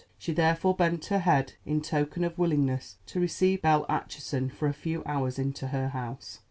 She therefore bent her head in token of willingness to receive Belle Acheson for a few hours into her house.